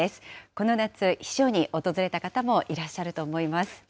この夏、避暑に訪れた方もいらっしゃると思います。